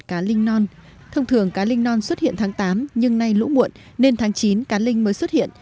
cá linh non thông thường cá linh non xuất hiện tháng tám nhưng nay lũ muộn nên tháng chín cá linh mới xuất hiện